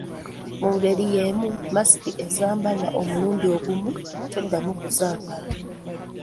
Mu ngeri y’emu masiki ezambalwa omulundi ogumu, toddamu kuzambala.